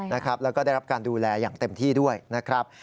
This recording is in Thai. แล้วก็ได้รับการดูแลอย่างเต็มที่ด้วยนะครับ